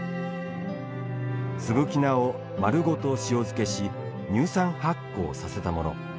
すぐき菜を、丸ごと塩漬けし乳酸発酵させたもの。